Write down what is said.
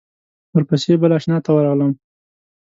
ورپسې بل آشنا ته ورغلم.